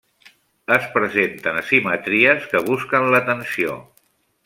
Es presenten asimetries que busquen la tensió.